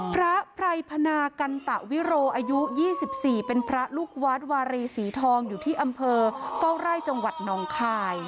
พระไพรพนากันตะวิโรอายุ๒๔เป็นพระลูกวัดวารีสีทองอยู่ที่อำเภอเฝ้าไร่จังหวัดหนองคาย